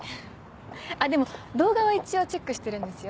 あっでも動画は一応チェックしてるんですよ。